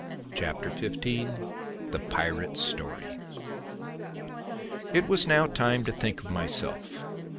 CHAPTER XV. THE PIRATE'S STORY. It was now time to think of myself.